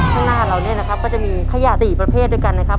ข้างหน้าเราเนี่ยนะครับก็จะมีขยะ๔ประเภทด้วยกันนะครับ